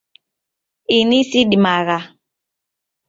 Ini sidimagha.